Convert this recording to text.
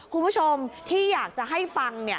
คุณผู้ชมที่อยากจะให้ฟัง